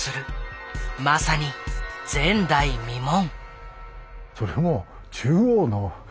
まさに前代未聞。